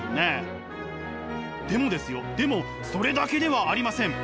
でもですよでもそれだけではありません！